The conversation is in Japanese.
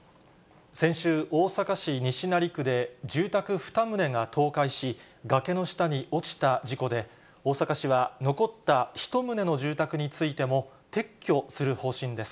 先週、大阪市西成区で住宅２棟が倒壊し、崖の下に落ちた事故で、大阪市は、残った１棟の住宅についても撤去する方針です。